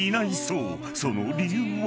［その理由は？］